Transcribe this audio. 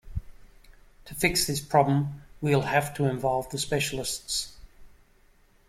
To fix this problem we'll have to involve the specialists.